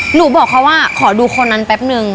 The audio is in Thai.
หนูบอกเขาว่าขอดูคนนั้นแป๊บนึง